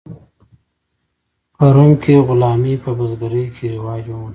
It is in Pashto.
په روم کې غلامي په بزګرۍ کې رواج وموند.